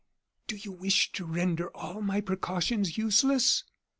do you wish to render all my precautions useless?"